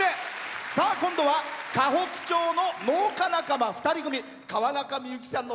今度は河北町の農家仲間２人組。